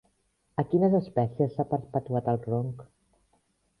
En quines espècies s'ha perpetuat el ronc?